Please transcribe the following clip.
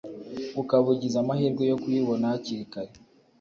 ukaba ugize amahirwe yo kuyibona hakiri kare.